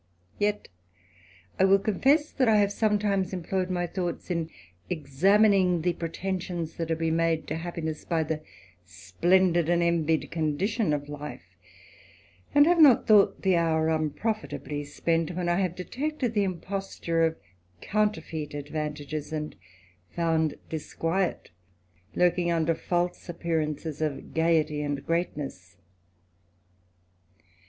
Yet I will confess, that I have sometimes employed my thoughts in examining the pretensions that are made to happiness, by the splendid and envied condition of life; and have not thought the hour unprofitably spent, when I have detected the imposture of counterfeit advantages, and found disquiet lurking under false appearances of gayety and greatness.